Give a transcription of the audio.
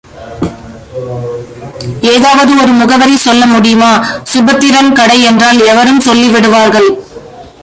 ஏதாவது ஒரு முகவரி சொல்ல முடியுமா? சுபத்திரன் கடை என்றால் எவரும் சொல்லி விடுவார்கள்.